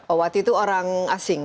oh waktu itu orang asing